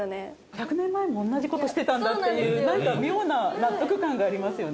１００年前も同じ事してたんだっていうなんか妙な納得感がありますよね。